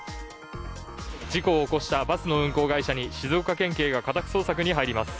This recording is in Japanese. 事故を起こしたバスの運行会社に静岡県警が家宅捜索に入ります。